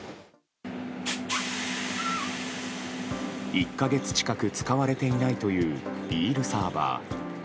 １か月近く使われていないというビールサーバー。